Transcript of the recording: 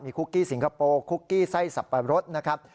คุกกี้สิงคโปร์คุกกี้ไส้สับปะรดนะครับ